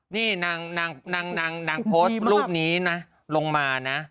นี่นางโพสต์รูปนี้นะลงมานะ